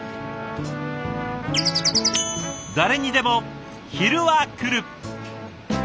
誰にでも昼はくる。